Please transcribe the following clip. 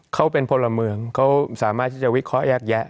เขาเป็นพลเมืองเขาสามารถที่จะวิเคราะห์แยกแยะ